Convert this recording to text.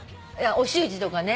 お習字とかね。